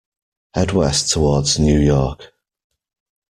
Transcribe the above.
Head west toward New York.